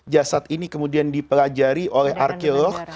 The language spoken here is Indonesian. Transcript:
jasad ini kemudian dipelajari oleh arkeolog